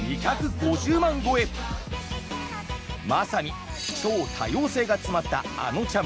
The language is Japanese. まさに「ちょう、多様性。」が詰まったあのちゃん。